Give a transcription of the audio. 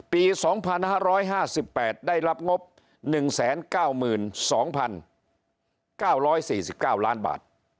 ปี๒๕๕๘ได้รับงบ๑๙๒๙๔๙ล้านบาท